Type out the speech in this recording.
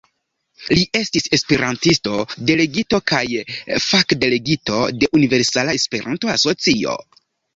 Li estis esperantisto, delegito kaj fakdelegito de Universala Esperanto-Asocio.